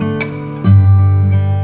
terima kasih ya mas